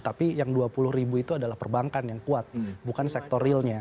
tapi yang dua puluh ribu itu adalah perbankan yang kuat bukan sektor realnya